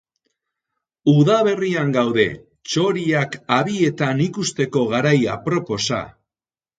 Udaberrian gaude, txoriak habietan ikusteko garai aproposa.